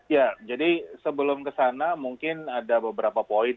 ya jadi sebelum ke sana mungkin ada beberapa poin